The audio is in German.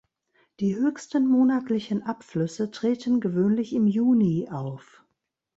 Die höchsten monatlichen Abflüsse treten gewöhnlich im Juni auf.